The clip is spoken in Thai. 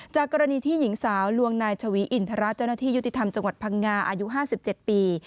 จากกรณีที่หญิงสาวลวงนายชวีอินทรเจ้าหน้าที่ยุติธรรมจังหวัดพังงาอายุ๕๗ปี